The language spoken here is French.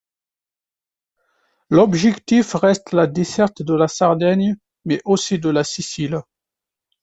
L’objectif reste la desserte de la Sardaigne mais aussi de la Sicile.